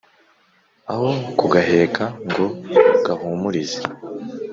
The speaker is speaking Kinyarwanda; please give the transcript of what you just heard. aho kugaheka ngo ngahumurize